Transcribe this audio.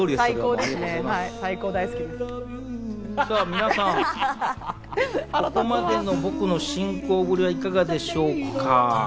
皆さん、ここまでの僕の進行ぶりはいかがでしょうか？